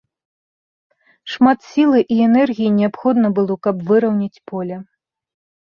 Шмат сілы і энергіі неабходна было, каб выраўняць поле.